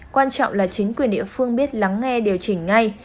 quan trọng là chính quyền địa phương biết lắng nghe điều chỉnh ngay